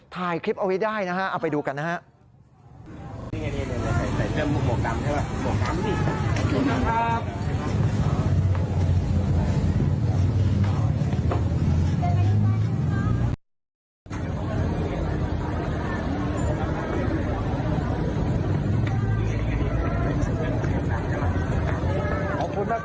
ถ่ายคลิปเอาไว้ได้นะฮะเอาไปดูกันนะครับ